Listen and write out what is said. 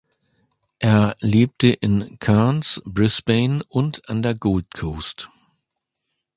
Er lebte in Cairns, Brisbane und an der Gold Coast.